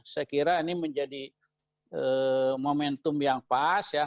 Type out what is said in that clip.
saya kira ini menjadi momentum yang pas ya